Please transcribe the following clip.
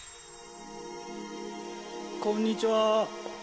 こんにちは。